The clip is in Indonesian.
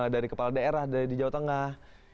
dari kepala daerah dari jawa tengah